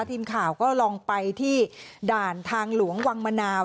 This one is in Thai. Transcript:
ทีมข่าวก็ลองไปที่ด่านทางหลวงวังมะนาว